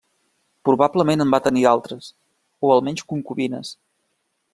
Probablement en va tenir altres, o almenys concubines.